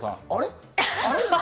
あれ？